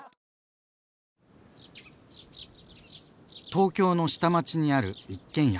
東京の下町にある一軒家。